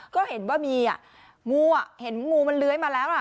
ก็เห็นว่ามีงูเห็นงูมันเลื้อยมาแล้ว